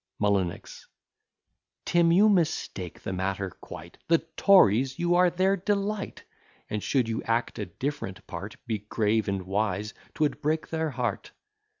M. Tim, you mistake the matter quite; The Tories! you are their delight; And should you act a different part, Be grave and wise, 'twould break their heart.